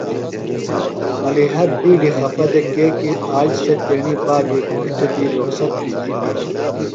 ملِیحہ بِیڈیۡ خپہ دےۡ کیکیۡ سےۡ آج تیݨی بابی گھوݜٹہ دی رخصت بھی دےۡ۔